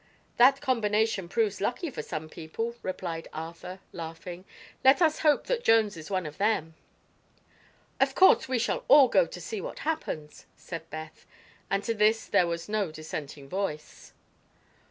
"That combination proves lucky for some people," replied Arthur, laughing. "Let us hope that Jones is one of them." "Of course we shall all go to see what happens," said Beth, and to this there was no dissenting voice.